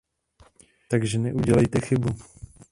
Takže neudělejte chybu.